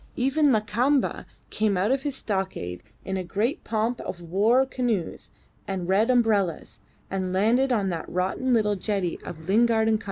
Even Lakamba came out of his stockade in a great pomp of war canoes and red umbrellas, and landed on the rotten little jetty of Lingard and Co.